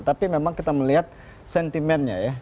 tapi memang kita melihat sentimennya ya